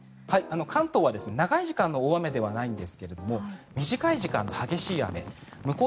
関東は長い時間の大雨ではないんですが短い時間の激しい雨向こう